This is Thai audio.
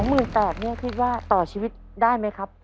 ๑๘๐๐บาทเนี่ยคิดว่าต่อชีวิตได้ไหมครับ